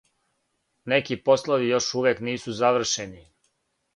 Неки послови још увек нису завршени.